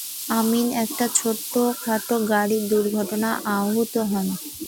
আমিন একটি ছোটখাটো গাড়ি দুর্ঘটনায় আহত হন।